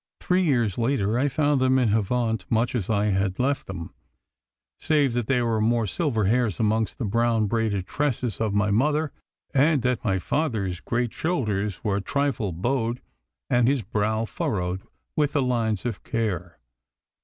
Three years later I found them in Havant much as I had left them, save that there were more silver hairs amongst the brown braided tresses of my mother, and that my father's great shoulders were a trifle bowed and his brow furrowed with the lines of care.